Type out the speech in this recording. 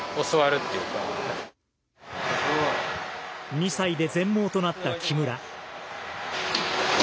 ２歳で全盲となった木村。